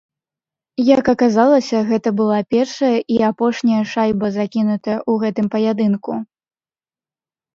Як аказалася, гэта была першая і апошняя шайба, закінутая ў гэтым паядынку.